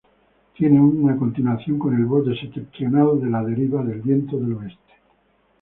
Tiene una continuación con el borde septentrional de la Deriva del Viento del Oeste.